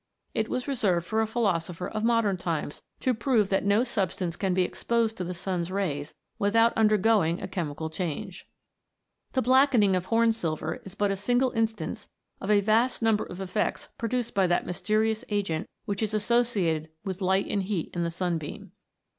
It was reserved for a philosopher of modern times to prove that no substance can be exposed to the sun's rays without undergoing a chemical change. The blackeningof horn silver is but a single instance of a vast number of effects produced by that mys terious agent which is associated with light and heat in the sunbeam.